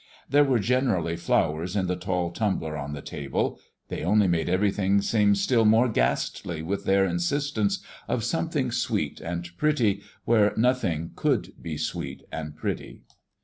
There were generally flowers in the tall tumbler on the table; they only made everything seem still more ghastly with their insistence of something sweet and pretty where nothing could be sweet and pretty.